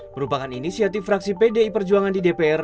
merupakan inisiatif fraksi pdi perjuangan di dpr